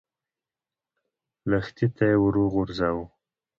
لښتي ته يې ور وغځاوه.